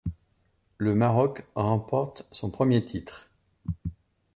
Le Maroc remporte son premier titre.